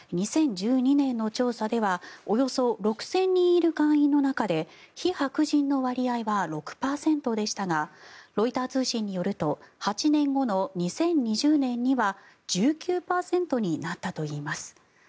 ２０１２年の調査ではおよそ６０００人いる会員の中で非白人の割合は６％でしたがロイター通信によると８年後の２０２０年には１９％になったといいます。